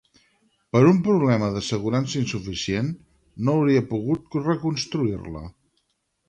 Per un problema d'assegurança insuficient, no hauria pogut reconstruir-la.